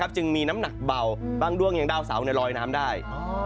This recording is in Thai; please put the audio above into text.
จึงมีน้ำหนักเบาบางด้วงอย่างดาวเสาลอยน้ำได้